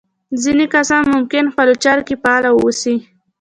ځينې کسان ممکن خپلو چارو کې فعال واوسي.